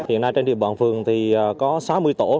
hiện nay trên địa bàn phường thì có sáu mươi tổ